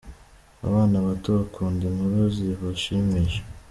Abana bato bakunda inkuru zibashimisha.